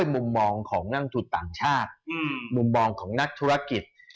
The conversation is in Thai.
มุมมองของนักลงทุนต่างชาติมุมมองของนักธุรกิจ